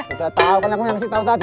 udah tau kan aku yang kasih tau tadi